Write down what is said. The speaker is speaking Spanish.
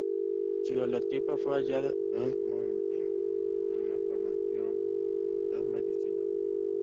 Su holotipo fue hallado en Egg Mountain en la Formación Dos Medicinas.